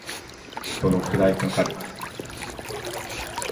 どのくらいかかる